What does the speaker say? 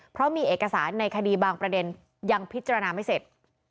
เพราะมีเอกสารในคดีบางประเด็นยังพิจารณาไม่เสร็จ